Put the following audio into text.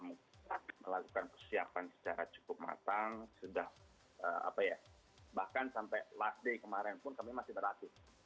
kami melakukan persiapan secara cukup matang bahkan sampai kemarin pun kami masih beraktif